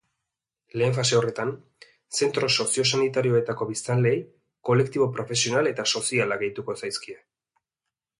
Lehen fase horretan, zentro soziosanitarioetako biztanleei kolektibo profesional eta sozialak gehituko zaizkie.